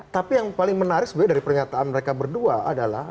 tapi yang paling menarik sebenarnya dari pernyataan mereka berdua adalah